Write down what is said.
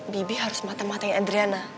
bibi harus mata matain adriana